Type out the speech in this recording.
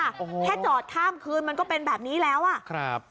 โอ้โหแค่จอดข้ามคืนมันก็เป็นแบบนี้แล้วอ่ะครับ